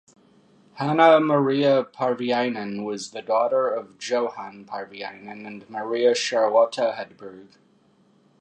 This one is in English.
Hanna Maria Parviainen was the daughter of Johan Parviainen and Maria Charlotta Hedberg.